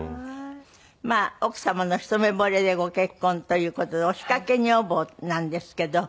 まあ奥様の一目惚れでご結婚という事で押しかけ女房なんですけど。